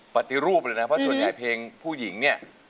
ปฏิรูปเลยนะเพราะส่วนใหญ่เพลงผู้หญิงเนี่ย